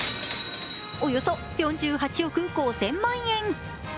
およそ４８億５０００万円。